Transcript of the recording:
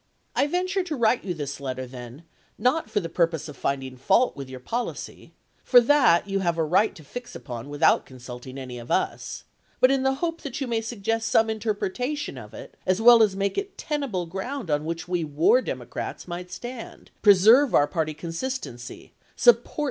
I venture to write you this letter, then, not for the purpose of finding fault with your policy — for that you have a right to fix upon without consult ing any of us — but in the hope that you may sug gest some interpretation of it, as well as make it tenable ground on which we war Democrats may stand — preserve our party consistency — support Charles d.